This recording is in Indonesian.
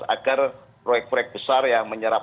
agar proyek proyek besar yang menyerap